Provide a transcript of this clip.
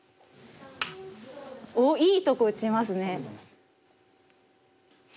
おっいいとこ打ちますね。